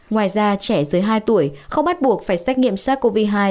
ngoài ra trẻ dưới hai tuổi không bắt buộc phải xét nghiệm sars cov hai